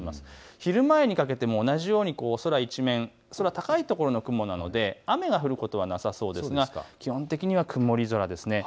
昼前にかけても空高いところの雲なので雨が降ることはなさそうですが基本的には曇り空ですね。